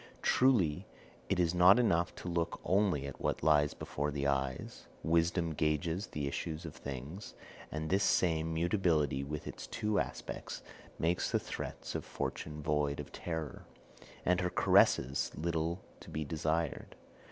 Truly it is not enough to look only at what lies before the eyes; wisdom gauges the issues of things, and this same mutability, with its two aspects, makes the threats of Fortune void of terror, and her caresses little to be desired.